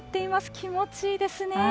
気持ちいいですね。